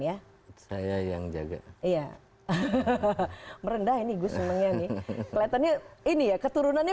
ya saya yang jaga iya merendah ini gus memangnya nih kelihatannya ini ya keturunannya